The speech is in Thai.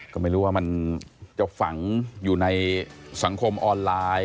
ก็ไม่รู้ว่ามันจะฝังอยู่ในสังคมออนไลน์